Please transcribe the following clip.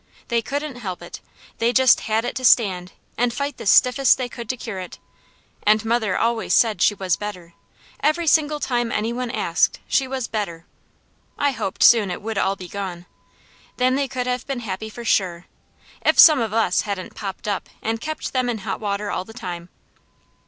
They couldn't help it. They just had it to stand, and fight the stiffest they could to cure it, and mother always said she was better; every single time any one asked, she was better. I hoped soon it would all be gone. Then they could have been happy for sure, if some of us hadn't popped up and kept them in hot water all the time.